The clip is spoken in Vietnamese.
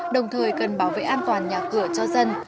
đồng thời cần bảo vệ an toàn nhà cửa cho dân